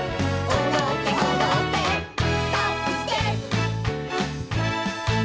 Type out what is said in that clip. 「おどっておどってタップステップ」